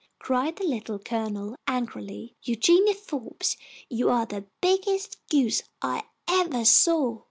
cried the Little Colonel, angrily. "Eugenia Forbes, you are the biggest goose I evah saw!